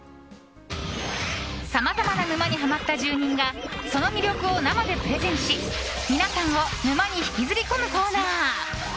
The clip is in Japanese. さまざまな沼にハマった住人がその魅力を生でプレゼンし皆さんを沼に引きずり込むコーナー。